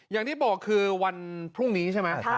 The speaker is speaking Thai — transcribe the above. อย่างที่บอกคือวันพรุ่งนี้ใช่ไหม